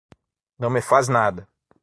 Não me faz nada